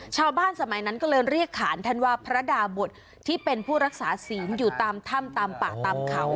สมัยนั้นก็เลยเรียกขานท่านว่าพระดาบทที่เป็นผู้รักษาศีลอยู่ตามถ้ำตามป่าตามเขา